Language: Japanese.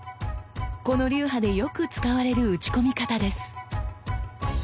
この流派でよく使われる打ち込み方です。